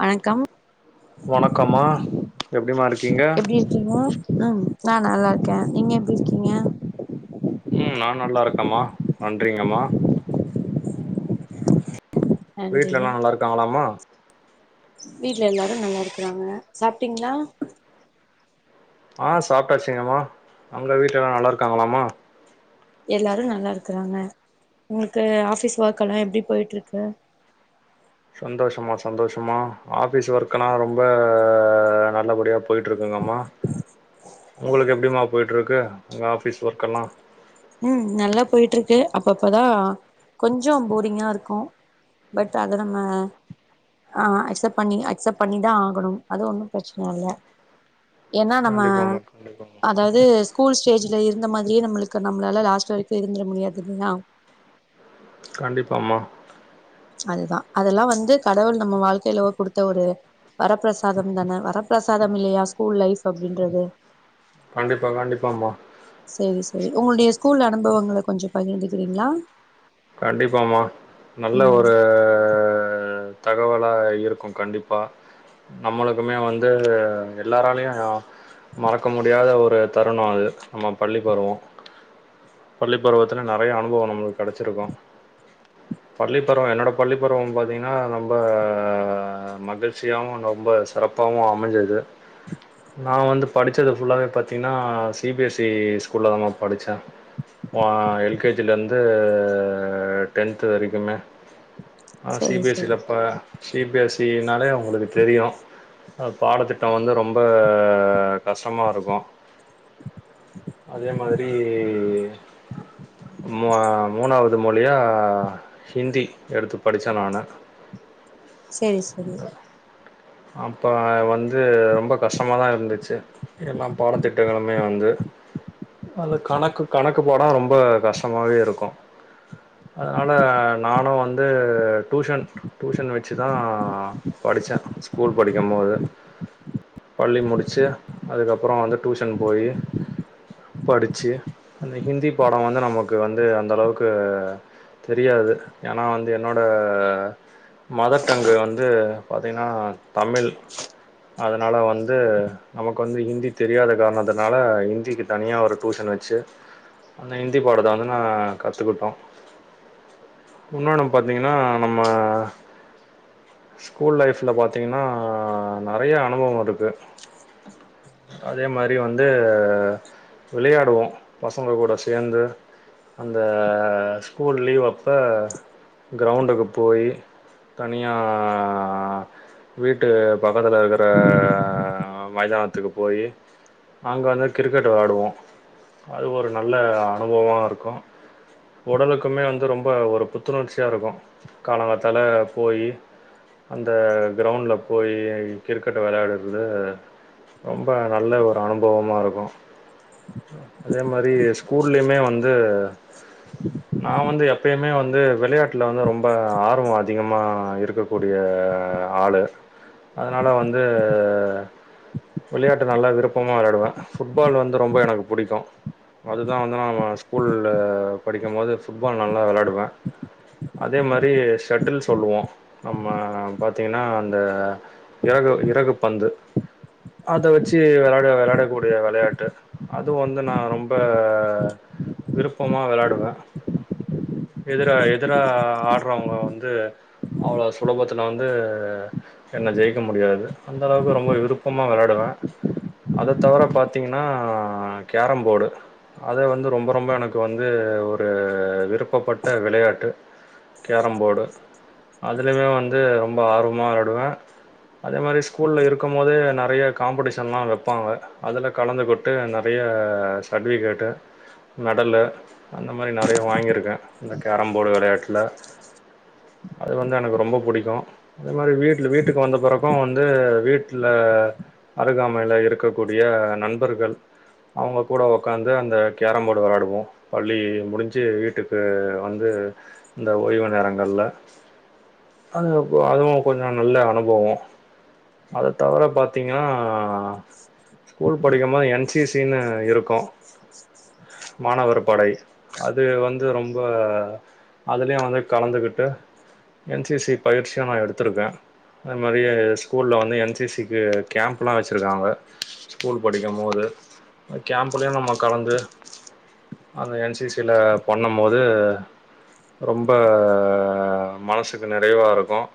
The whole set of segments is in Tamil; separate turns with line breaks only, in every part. வணக்கம்
ஒணக்கமா எப்டிமா இருக்கீங்க
எப்டி இருக்கீங்க ம் நா நல்லார்க்கே நீங்க எப்டி இர்க்கீங்க
ம் நா நல்லாருக்கம்மா நன்றிங்கம்மா
நன்றி
வீட்ல எல்லா நல்லார்க்காங்களாமா
வீட்ல எல்லாரு நல்லாருக்குறாங்க சாப்ட்டீங்ளா
ஆ சாப்ட்டாச்சிங்கம்மா அங்க வீட்ல எல்லா நல்லார்க்காங்களாமா
எல்லாரு நல்லாருக்றாங்க உங்ளுக்கு ஆஃபிஸ் ஒர்க் எல்லா எப்டி போயிட்ருக்கு
சந்தோஷம்மா சந்தோஷம்மா ஆஃபிஸ் ஒர்க்லா ரொம்ப நல்ல படியா போய்ட்டுருக்குங்கம்மா உங்களுக்கு எப்டிம்மா போய்ட்ருக்கு உங்க ஆஃபீஸ் ஒர்க்கலா
ம் நல்லா போயிட்டுருக்கு அப்பப்பதா கொஞ்சோ ஃபோரிங்கா இருக்கு பட் அத நம்ம ஆ அசெப்ட் பண்ணி அக்செப்ட் பண்ணிதா ஆகணும் அது ஒன்னு பிரச்ன இல்ல ஏன்னா நம்ம
கண்டிப்பாமா கண்டிப்பாமா
அதாவ்து ஸ்கூல் ஸ்டேஜ்ல இருந்த மாத்ரியே நம்முளு க நம்ளால லாஸ்ட் வரிக்கு இருந்திர முடியாது இல்லியா
கண்டிப்பா மா
அதுதா அதெலா வந்து கடவுள் நம்ம வாழ்க்கைல குடுத்த ஒரு வரப்பிரசாதந் தானே வரப்பிரசாதம் இல்லையா ஸ்கூல் லைஃப் அப்டின்றது
கண்டிப்பா கண்டிப்பாமா
சேரி செரி ஒங்குள்டியஸ் ஸ்கூல் அனுபவங்கள கொஞ்ச பகிர்ந்துக்றிங்ளா
கண்டிப்பாமா நல்ல ஒரு தகவலா இருக்கு கண்டிப்பா நம்மளுக்குமே வந்து எல்லாராலயயு மறக்க முடியாத ஒரு தருண அது நம்ம பள்ளி பருவ பள்ளி பருவத்துல நறய அனுபொவொ நம்ளுக்கு கடச்சிருக்கு பள்ளி பருவ என்னோட பள்ளி பருவம் பாத்தீங்ன்னா நம்ப மகுல்ச்சியாவு ரொம்ப சிறப்பாவு அமஞ்சிது நா வந்து படிச்சது ஃபுல்லாவே பாத்திங்னா சி பி எஸ் இ ஸ்கூல்லதா மேம் படிச்ச அ எல் கே ஜி ல இருந்து அ டென்த்து வரிக்குமே அ
சேரி சேரி
சிபிஏசில ப சீ ப் யா சி னாலே அவுங்களுக்கு தெரியு அ பாடத்திட்ட வந்து ரொம்ப கஷ்டமாருக்கு
[inaudible]
அதே மாதிரி ம் மு அ மூணாவத் இல்லையா ஹிந்தி எடுத்து படிச்ச நானு
செரி செரி
அப்போ வந்து ரொம்ப கஷ்டமாதா இருந்துச்சு எல்லா பாடத் திட்டங்களுமே வந்து அது கணக்கு கணக்கு போடா ரொம்ப கஷ்டமாவே இருக்கு அதனால நானு வந்து டூஷன் டூஷன் வச்சுத்தா படிச்ச ஸ்கூல் படிக்கமோது பள்ளி முடிச்சி அதுக்கப்றோ வந்து டூஷன் போயி படிச்சி அந்த ஹிந்தி பாடோ வந்து நமக்கு வந்து அந்த அளவுக்கு தெரியாது ஏனா வந்து என்னோட மதர் டங்கு வந்து பாத்தீங்னா தமிழ் அதனால வந்து நமக்கு வந்து ஹிந்தி தெரியாத காரணத்துனால ஹிந்திக்கு தனியா ஒரு டூஷன் வச்சு அந்த ஹிந்தி பாடத்த வந்து நா கத்துக்குட்டோ உன்னோன பாத்தீங்கனா நம்ம ஸ்கூல் லைஃப்ல பாத் தீங்னா நெறைய அனுபவ இருக்கு அதே மாரி வந்து விளையாடுவோ பசங்க கூட சேந்து அந்த ஸ்கூல் லீவ் அப்ப கிரவுண்டுக்கு போயி தனியா வீட்டு பக்கத்துலக்கற மைதான்த்துக்கு போயி அங்க வந்து கிரிக்கெட் வெளாடுவோ அது ஒரு நல்ல அனுபவமாருக்கு ஒடலுக்குமே வந்து ரொம்ப ஒரு புத்துணர்ச்சியா இருக்கு காலங்காத்தால போயி அந்த கிரவுண்ட்ல போய் கிரிக்கெட்ட வெளையாடுறது ரொம்ப நல்ல ஒரு அனுபவமா இருக்கு அதே மாரி ஸ்கூல்லயுமே வந்து நா வந்து எப்பேயுமே வந்து வெளையாட்டுல வந்து ரொம்ப ஆர்வோ அதிகமா இருக்கக் கூடிய அ ஆளு அதனால வந்து விளையாட்டு நல்லா விருப்பமா வெளையாடுவே ஃபுட்பால் வந்து ரொம்ப எனக்கு புடிக்கு அதுதா வந்து நா ஸ்கூல்ல படிக்கமோது ஃபுட்பால் நல்லா வெளையாடுவே அதே மாரி ஷெட்டில்ஸ் சொல்லுவோ நம்ம பா தீங்னா அந்த இறகு இறகு பந்து அத வச்சி வெறக வெளாடக்கூடிய வெளையாட்டு அது வந்து நா ரொம்ப விருப்பமா வெளையாடுவே எதிர எதிரா ஆட்றவங்க வந்து அவ்ளோ சுலபத்துல வந் து என்ன ஜெயிக்க முடியாது அந்தளவுக்கு ரொம்ப விருப்பமா வெளையாடுவே அத தவர பாத்தீங்னா கேரம் போடு அத வந்து ரொம்ப ரொம்ப எனக்கு வந்து ஒரு விருப்பப்பட்ட வெளையாட்டு கேரம் போடு அதுலயுமே வந்து ரொம்ப ஆர்வமா வெளாடுவே அதே மாரி ஸ்கூல்ல இருக்குமோதே நெறைய காம்படிஷன்ல்லா வெப்பாங்க அதுல கலந்து கொட்டு நெறைய அ சட்விகேட்டு மெடலு அந்த மாரி நெறைய வாங்கிருக்கே இந்த கேரம் போடு வெளையாட்ல அது வந்து எனக்கு ரொம்ப புடிக்கு இந்த மாரி வீட்ல வீட்டுக் வந்த பிற அப்பம் வந்து வீட்ல அருகாமைல இருக்கக்கூடிய நண்பர்கள் அவங்க கூட உக்காந்து அந்த கேரம் போர்டு விளையாடுவோம் பள்ளி முடிஞ்சு வீட்டுக்கு வந்து இந்த ஓய்வு நேரங்கள்ல அது இப்ப அதுவும் கொஞ்சம் நல்ல அனுபவம் அத தவிர பாத்தீங்கன்னா ஸ்கூல் படிக்கும்போது என் சி சி னு இருக்கும் மாணவர் படை அது வந்து ரொம்ப அதுலயும் வந்து கலந்துகிட்டு என் சி சி பயிற்சியு நா எடுத்திருக்கே அது மாதிரி ஸ்கூல்ல வந்து என் சி சி க்கு கேம்ப்லா வச்சிருக்காங்க ஸ்கூல் படிக்கும் போது கேம்ப்லயும் நம்ம கலந்து அந்த என் சி சி ல பண்ணும் போது ரொம்ப மனசுக்கு நிறைவா இருக்கும்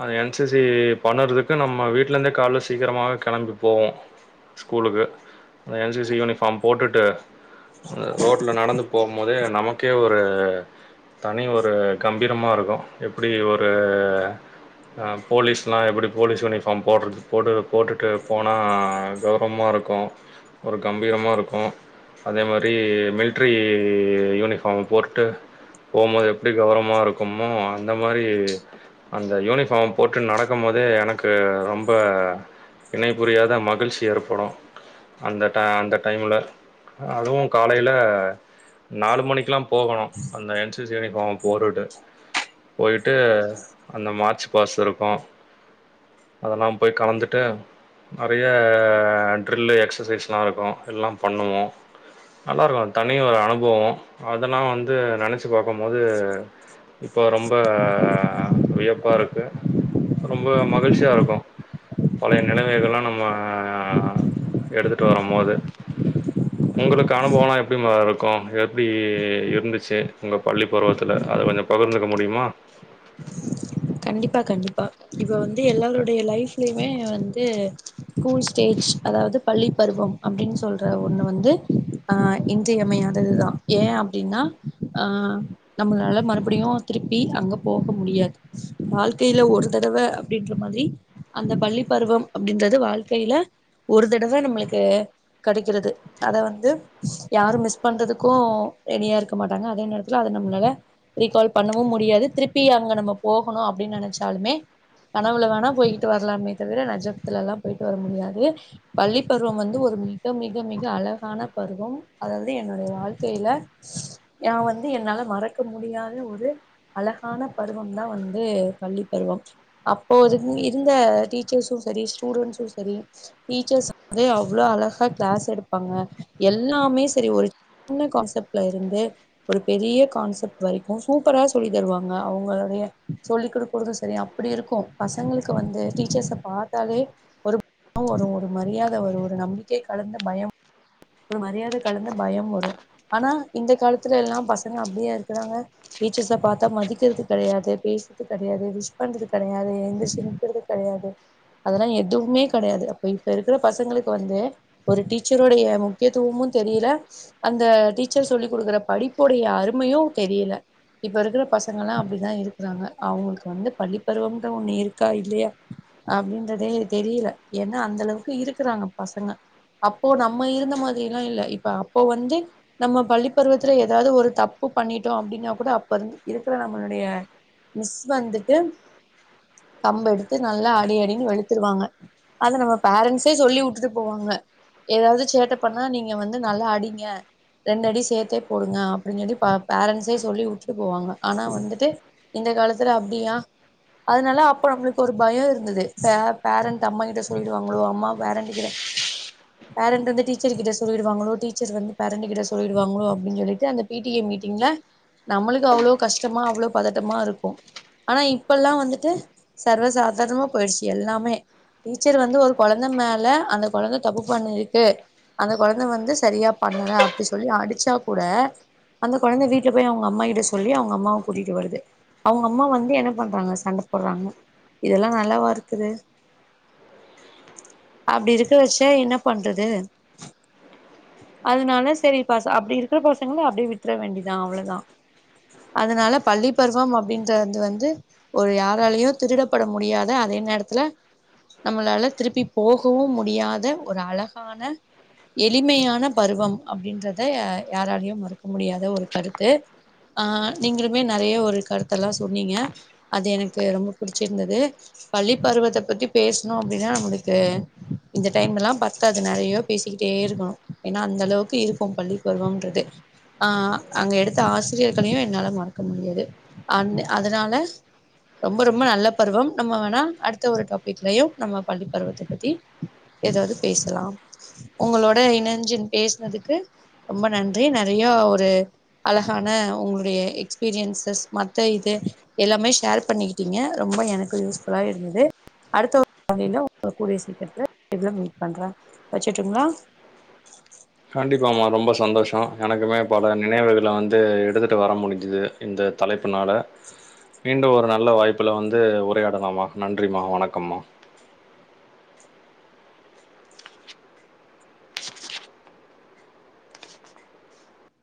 அந்த என் சி சி பண்ணறதுக்கு நம்ம வீட்ல இருந்தே காலே சீக்கிரமாக கெளம்பி போவோ ஸ்கூலுக்கு அந்த என் சி சி யூனிஃபார்ம் போட்டுட்டு ரோட்ல நடந்து போகும்போதே நமக்கே ஒரு தனி ஒரு கம்பீரம இருக்கும் எப்டி ஒ ரு அ போலீஸ்லா எப்டி போலீஸ் யூனிஃபார்ம் போடுறது போட்டு போட்டுட்டு போனா கௌர மா இருக்கும் ஒரு கம்பீரமாக இருக்கும் அதே மாரி மில்ட்ரி யூனிஃபார்ம் போட்டுட்டு போம்போது எப்டி கௌரம இருக்குமோ அந்த மாரி அந்த யூனிஃபார்ம் போட்டு நடக்கும் போதே எனக்கு ரொம்ப இணை புரியாத மகிழ்ச்சி ஏற்படும் அந்த ட அந்த டைம்ல அதுவும் காலேல நாலு மணிக்கெலாம் போகணும் அந்த என் சி சி யூனிபார்ம் போட்டுட்டு போயிட்டு அந்த மார்ச் பாஸ் இருக்கும் அதெல்லாம் போய் கலந்துட்டு நெறைய ட்ரில்லு எக்சசைஸ்லா இருக்கும் எல்லா பண்ணணு நல்லா இருக்கும் தனி ஒரு அனுபவம் அதெல்லா வந்து நெனைச் சு பாக்கும்போது இப்போ ரொம்ப வியப்பா இருக்கு ரொம்ப மகிழ்ச்சியா இருக்கும் பழைய நினைவுகள்லா நம்ம எடுத்துட்டு வரும் போது உங்களுக்கு அனுபவம்லா எப்டிமா இருக்கும் எப்படி இருந்துச்சு உங்க பள்ளி பருவத்துல அது கொஞ்சொ பகிர்ந்துக்க முடியுமா
கண்டிப்பா கண்டிப்பா இப்ப வந்து எல்லாருடைய லைஃப்லயுமே வந்து கூல் ஸ்டேஜ் அதாவது பள்ளி பருவம் அப்படின்னு சொல்ற ஒண்ணு வந்து ஆ இன்றியமையாததுதா ஏ ஏ அப்படின்னா ஆ நம்மளால மறுபடியும் திருப்பி அங்க போக முடியாது வாழ்க்கையில ஒரு தடவ அப்படின்ற மாதிரி அந்த பள்ளி பருவம் அப்டின்றது வாழ்க்கையில ஒரு தடவ நம்மளுக்கு கிடைக்கிறது அத வந்து யாரும் மிஸ் பண்றதுக்கும் ரெடியா இருக்க மாட்டாங்க அதே நேரத்துல அத நம்ளால ரீகால் பண்ணவு முடியாது திருப்பி அங்க நம்ம போகணும் அப்படின்னு நினைச்சாலுமே கனவுல வேணா போயிட்டு வரலாமே தவிர நெஜத்துல எல்லாம் போயிட்டு வர முடியாது பள்ளி பருவம் வந்து ஒரு மிக மிக மிக அழகான பருவம் அதாவது என்னுடைய வாழ்க்கையில யா வந்து என்னால மறக்க முடியாத ஒரு அழகான பருவம் தா வந்து பள்ளி பருவம் அப்போ இரு இருந்த டீச்சர்ஸும் சரி ஸ்டூடஸும் சரி ரி டீச்சர்ஸ் வந்து அவ்ளோ அழகா கிளாஸ் எடுப்பாங்க எல்லாமே சரி ஒரு சின்ன கான்செப்ட்ல இருந்து ஒரு பெரிய கான்செப்ட் வரைக்கும் சூப்பரா சொல்லி தருவாங்க அவங்களுடைய சொல்லி கொடுக்கதும் சரி அப்படி இருக்கும் பசங்களுக்கு வந்து டீச்சர்ஸ பாத்தாலே ஒரு ந ஒரு ஒரு மரியாத ஒரு ஒரு நம்பிக்கை கலந்து பயம் ஒரு மரியாதை கலந்து பயம் வரும் ஆனா இந்த காலத்துல எல்லாம் பசங்க அப்படியே இருக்கிறாங்க டீச்சர்ஸ பாத்தா மதிக்கிறது கிடையாது பேசுறது கிடையாது விஷ் பண்றது கிடையாது எந்திரிச்சி நிக்றது கிடையாது அதெல்லாம் எதுவுமே கிடையாது அப்ப இப்ப இருக்கிற பசங்களுக்கு வந்து ஒரு டீச்சருடைய முக்கியத்துவமும் தெரியல அந்த டீச்சர் சொல்லி் கொடுக்குற படிப்போடைய அருமையும் தெரியல இப்ப இருக்கிற பசங்கல்லா அப்டிதா இருக்கிறாங்க அவுங்களுக்கு வந்து பள்ளிப்பருவம்ட ஒண்ணு இருக்கா இல்லையா அப்டின்றதே தெரியில ஏன்னா அந்த அளவுக்கு இருக்குறாங்க பசங்க அப்போ நம்ம இருந்த மாதிரி எல்லா இல்ல இப்ப அப்போ வந்து நம்ம பள்ளிப்பருவத்துல ஏதாவ்து ஒரு தப்பு பண்ணிட்டோ அப்டின்னா கூட அப்ப இருக்கிற நம்மளுடைய மிஸ் வந்துட்டு கம்ப எடுத்து நல்லா அடி அடின்னு வெளுத்துருவாங்க அத நம்ம பேரன்ட்ஸே சொல்லி வுட்டுட்டு போவாங்க ஏதாவ்து சேட்ட பண்ணா நீங்க வந்து நல்லா அடிங்க ரெண்டு அடி சேத்தே போடுங்க அப்டின் சொல்லி ப பேரன்ட்ஸே சொல்லி வுட்டுடு போவாங்க ஆனா வந்துட்டு இந்த இந்த காலத்துல அப்டியா அதனால அப்ப நம்ளுக்கு ஒரு பயோ இருந்துது பே பேரண்ட் அம்மா கிட்ட சொல்லிடுவாங்களோ அம்மா பேரண்ட் கிட்ட பேரண்ட் வந்து டீச் டீச்சர்கிட்ட சொல்லிடுவாங்களோ டீச்சர் வந்து பேரண்ட் கிட்ட சொல்லிடுவாங்களோ அப்டின் சொல்லிட்டு அந்த பி டி ஏ மீட்டிங்ல நம்மளுக்கு அவ்ளோ கஷ்டமா அவ்ளோ பதட்டமா இருக்கூ ஆனா இப்பலா வந்துட்டு சர்வசாதாரணமா போயிடுச்சி எல்லாமே டீச்சர் வந்து ஒரு கொழந்த மேல அந்த கொழந்த தப்பு பண்ணிருக்கு அந்த கொழந்த வந்து சரியா பண்ணல அப்டி சொல்லி அடிச்சா கூட அந்த கொழந்த வீட்ல போய் அவுங்க அம்மா கிட்ட சொல்லி அவுங்க அம்மாவ கூட்டிட்டு வருது அவுங்க அம்மா வந்து என்ன பண்றாங்க சண்ட போட்றாங்க இதெல்லா நல்லாவா இருக்குது அப்டி இருக்க வச்சா என்ன பண்றது அதனால சரி பச அப்டி இருக்கிற பசங்கள அப்டியே வி்ட்ற வேண்டிதா அவ்ளதா அதனால பள்ளி பருவம் அப்டின்றது வந்து ஒரு யாராலயு திருடப்பட முடியாத அதை நேரத்துல நம்மளால திருப்பி போகவு முடியாத ஒரு அழகான எளிமையான பருவம் அப்டின்றத யாராலயும் மறுக்க முடியாத ஒரு கருத்து ஆ நீங்களுமே நறைய ஒரு கருத்த எல்லா சொன்னீங்க அது எனக்கு ரொம்ப புடிச்சிருந்தது பள்ளிப் பருவத்த பத்தி பேசணு அப்டின்னா நம்மளுக்கு இந்த டைம் எல்லாம் பத்தாது நறையோ பேசிக்கிட்டே இருக்கணு ஏன்னா அந்தளவுக்கு இருக்கும் பள்ளி பருவம்ன்றது ஆ அங்க எடுத்த ஆசிரியர்களையு என்னால மறக்க முடியாது அந்த அதனால ரொம்ப ரொம்ப நல்ல பருவம் நம்ம வேணா அடுத்த ஒரு டாபிக்லயும் நம்ம பள்ளி பருவத்த பத்தி ஏதாவ்து பேசலாம் உங்களோட இனஞ்சன் பேசுனதுக்கு ரொம்ப நன்றி நறைய ஒரு அழகான உங்களுடைய எக்ஸ்பீரியன்சஸ் மத்த இது எல்லாமே ஷேர் பண்ணிக்கிட்டீங்க ரொம்ப எனக்கு யூஸ்ப்ஃபுல்லா இருந்தது அடுத்த உரையில உங்கள கூடிய சீக்கிரத்துல மீட் பண்ற வச்சுட்டுங்ளா
கண்டிப்பாம்மா ரொம்ப சந்தோஷ எனக்குமே பல நினைவுகள வந்து எடுத்துட்டு வர முடிஞ்சுது இந்த இந்த தலைப்பு நாள மீண்டும் ஒரு நல்ல வாய்ப்புல வந்து உரையாடலாமா நன்றிமா வணக்கம்மா